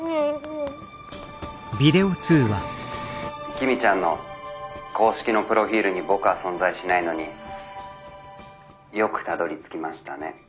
「公ちゃんの公式のプロフィールに僕は存在しないのによくたどりつきましたね」。